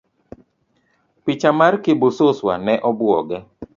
Picha mar Kibususwa ne obuoge.